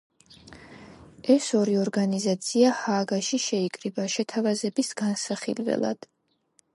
ეს ორი ორგანიზაცია ჰააგაში შეიკრიბა შეთავაზების განსახილველად.